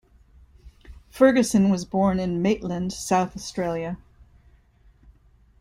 Ferguson was born in Maitland, South Australia.